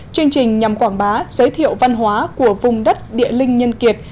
chương trình nhằm quảng bá giới thiệu văn hóa của vùng đất địa linh nhân kiệt